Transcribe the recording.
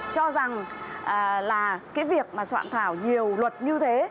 cho rằng là cái việc mà soạn thảo nhiều luật như thế